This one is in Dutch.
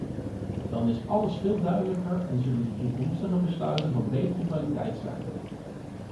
Dan is alles veel duidelijker en zullen de toekomstige besluiten van betere kwaliteit zijn.